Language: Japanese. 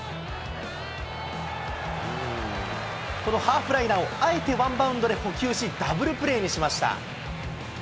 このハーフライナーをあえてワンバウンドで捕球し、ダブルプレーにしました。